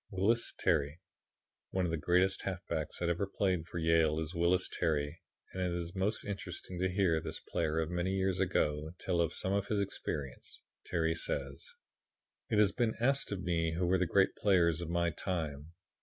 Wyllys Terry One of the greatest halfbacks that ever played for Yale is Wyllys Terry, and it is most interesting to hear this player of many years ago tell of some of his experiences. Terry says: "It has been asked of me who were the great players of my time.